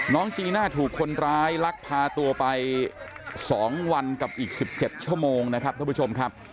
จีน่าถูกคนร้ายลักพาตัวไป๒วันกับอีก๑๗ชั่วโมงนะครับท่านผู้ชมครับ